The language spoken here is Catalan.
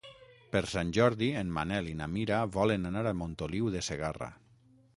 Per Sant Jordi en Manel i na Mira volen anar a Montoliu de Segarra.